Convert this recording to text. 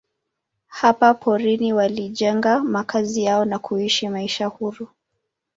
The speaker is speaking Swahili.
Hapa porini walijenga makazi yao na kuishi maisha huru.